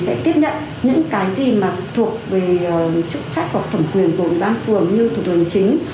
sẽ tiếp nhận những cái gì mà thuộc về chức trách hoặc thẩm quyền của bán phường như thuật hình chính